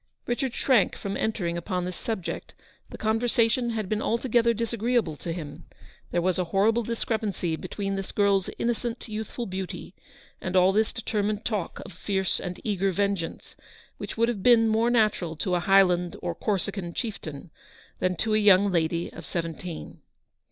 Eichard shrank from entering upon this subject ; the conversation had been altogether disagreeable to him. There was a horrible discrepancy between this girl's innocent youthful beauty and all this determined talk of fierce and eager vengeance, which w T ould have been more natural to a High land or Corsican chieftain, than to a young lady of seventeen.